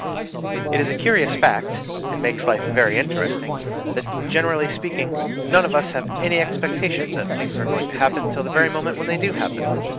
It is a curious fact, and makes life very interesting, that, generally speaking, none of us have any expectation that things are going to happen till the very moment when they do happen.